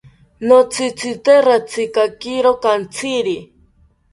Notzitzite ratzikakiro kantziri